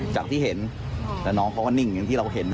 จากที่เห็นแล้วน้องเขาก็นิ่งอย่างที่เราเห็น